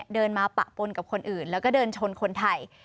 เดินมาปะปนกับคนอื่นแล้วก็เดินชนคนไทย